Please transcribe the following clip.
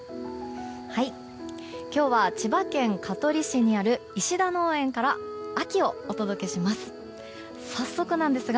今日は千葉県香取市にある石田農園から秋をお届けします。